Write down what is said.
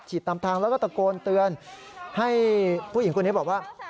ตามทางแล้วก็ตะโกนเตือนให้ผู้หญิงคนนี้บอกว่า